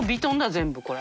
全部これ。